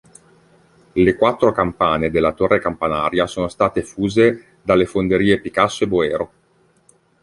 Le quattro campane della torre campanaria sono state fuse dalle fonderie Picasso e Boero.